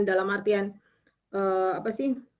dalam arti penelitian